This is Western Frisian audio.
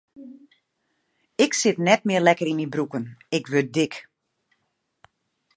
Ik sit net mear lekker yn myn broeken, ik wurd dik.